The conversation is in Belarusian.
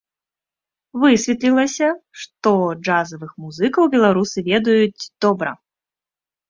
Высветлілася, што джазавых музыкаў беларусы ведаюць добра.